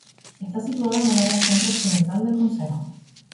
Está situada en el área centro occidental del concejo.